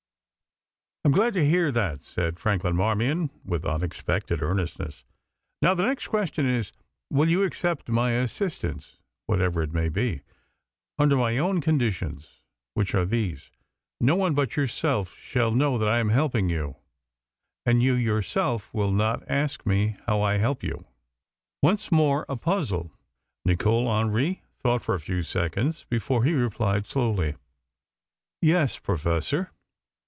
"I am glad to hear that," said Franklin Marmion with unexpected earnestness. "Now, the next question is: Will you accept my assistance, whatever it may be, under my own conditions, which are these: No one but yourself shall know that I am helping you, and you yourself will not ask me how I help you." Once more a puzzle. Nicol Hendry thought for a few seconds before he replied slowly: "Yes, Professor.